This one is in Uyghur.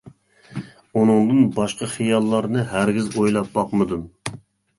ئۇنىڭدىن باشقا خىياللارنى ھەرگىز ئويلاپ باقمىدىم.